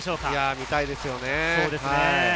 見たいですよね。